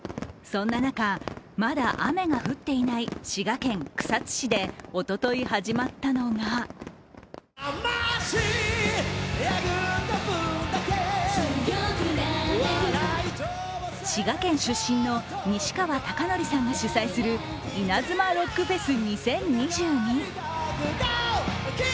そんな中、まだ雨が降っていない滋賀県草津市でおととい始まったのが滋賀県出身の西川貴教さんが主催するイナズマロックフェス２０２２。